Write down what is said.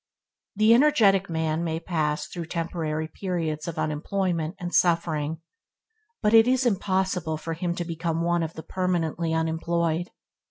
The energetic man may pass through temporary periods of unemployment and suffering, but it is impossible for him to become one of the permanently unemployed.